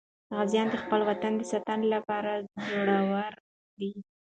غازیان د خپل وطن د ساتنې لپاره زړور دي.